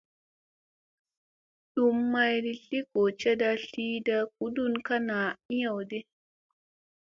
Dum maydi tli goo caɗa tliyɗa guɗuɗ ka naa eyew di.